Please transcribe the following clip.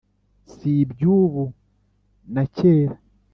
si iby’ubu na cyera